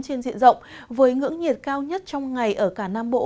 trên diện rộng với ngưỡng nhiệt cao nhất trong ngày ở cả nam bộ